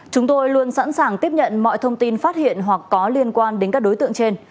chúng tôi luôn sẵn sàng tiếp nhận mọi thông tin phát hiện hoặc có liên quan đến các đối tượng trên